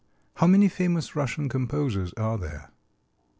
How many famous Russian composers are there?